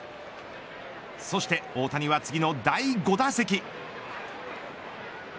そして大谷は次の第５打席。